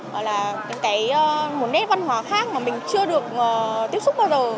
và là những cái nét văn hóa khác mà mình chưa được tiếp xúc bao giờ